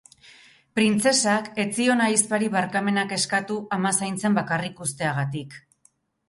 Printzesak ez zion ahizpari barkamenik eskatu ama zaintzen bakarrik uzteagatik.